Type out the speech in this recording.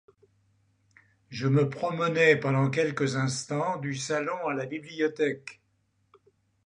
Je me promenai pendant quelques instants du salon à la bibliothèque.